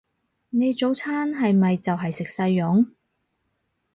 你早餐係咪就係食細蓉？